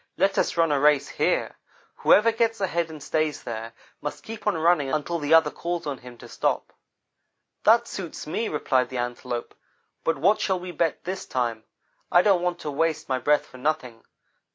Let us run a race here. Whoever gets ahead and stays there, must keep on running until the other calls on him to stop.' "'That suits me,' replied the Antelope, 'but what shall we bet this time? I don't want to waste my breath for nothing.